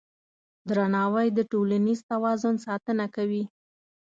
درناوی د ټولنیز توازن ساتنه کوي.